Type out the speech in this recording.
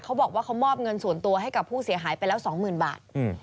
เขาบอกว่าเขามอบเงินส่วนตัวให้กับผู้เสียหายไปแล้ว๒๐๐๐บาท